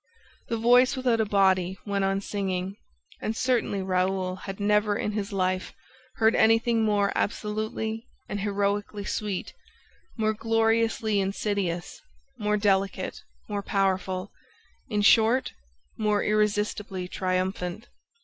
The voice without a body went on singing; and certainly Raoul had never in his life heard anything more absolutely and heroically sweet, more gloriously insidious, more delicate, more powerful, in short, more irresistibly triumphant.